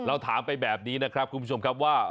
ถามไปแบบนี้นะครับคุณผู้ชมครับว่า